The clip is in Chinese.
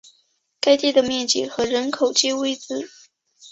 该地的面积和人口皆未知。